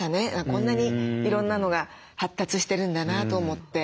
こんなにいろんなのが発達してるんだなと思って。